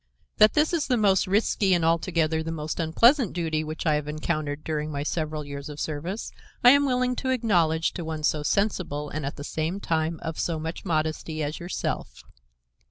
That this is the most risky and altogether the most unpleasant duty which I have encountered during my several years of service, I am willing to acknowledge to one so sensible and at the same time of so much modesty as yourself.